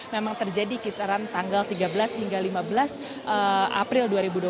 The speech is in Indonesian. memang terjadi kisaran tanggal tiga belas hingga lima belas april dua ribu dua puluh